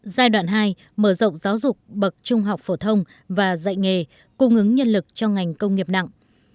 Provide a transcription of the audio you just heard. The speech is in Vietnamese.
giai đoạn hai mở rộng giáo dục bậc trung học phổ thông và dạy nghề cung ứng nhân lực cho ngành công nghiệp nặng